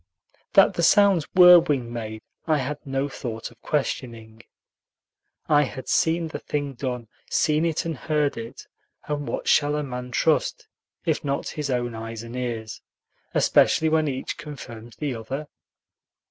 That the sounds were wing made I had no thought of questioning. I had seen the thing done, seen it and heard it; and what shall a man trust, if not his own eyes and ears, especially when each confirms the other?